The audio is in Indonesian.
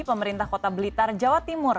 pemerintah kota blitar jawa timur